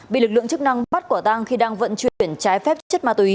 bị lực lượng chức năng bắt quả tang khi đang vận chuyển trái phép chất ma túy